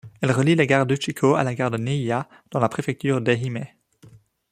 Elle relie la gare d'Uchiko à la gare de Niiya dans la préfecture d'Ehime.